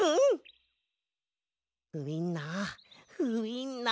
ウインナーウインナー。